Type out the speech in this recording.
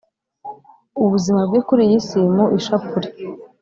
ubuzima bwe kuri iyi si, mu ishapule,